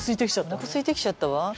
おなかすいてきちゃったわ。